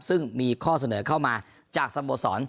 ซึ่งมีข้อเสนอเข้ามาจากสโมสร